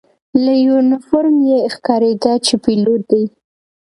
له یونیفورم یې ښکارېده چې پیلوټ دی.